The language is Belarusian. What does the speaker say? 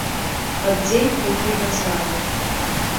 Пад дзень тухлі пажары.